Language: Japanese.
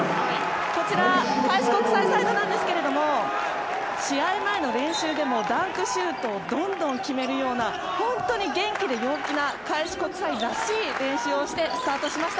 こちら開志国際サイドですが試合前の練習でもダンクシュートをどんどん決めるような本当に元気で陽気な開志国際らしい練習をしてスタートしました。